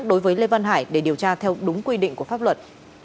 đối với lê văn hải để điều tra theo đúng quy định của pháp luật